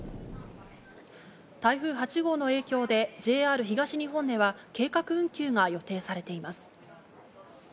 台風８号の影響でＪＲ東日本では計画運休が予定されています。